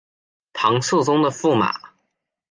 唐肃宗的驸马。